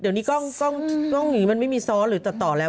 เดี๋ยวนี้กล้องอย่างนี้มันไม่มีซ้อนหรือตัดต่อแล้ว